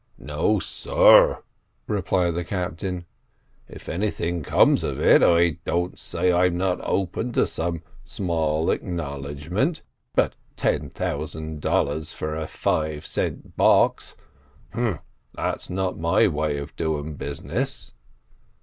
"No, sir," replied the captain; "if anything comes of it, I don't say I'm not open to some small acknowledgment, but ten thousand dollars for a five cent box—that's not my way of doing business."